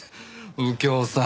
右京さん。